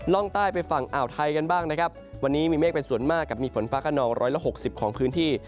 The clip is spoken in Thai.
ร่องใต้ไปฝั่งอ่าวไทยกันบ้างนะครับวันนี้มีเมฆเป็นส่วนมากกับมีฝนฟ้าขนองร้อยละหกสิบของพื้นที่